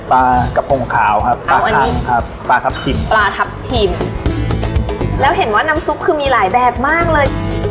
ปลากับผงขาวครับปลาทับถิ่มแล้วเห็นว่าน้ำซุปคือมีหลายแบบมากเลย